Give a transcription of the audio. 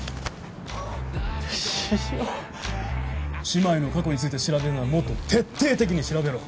姉妹の過去について調べるならもっと徹底的に調べろ。